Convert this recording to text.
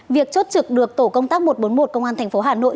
việc chốt trực được tổ công tác một trăm bốn mươi một công an tp hà nội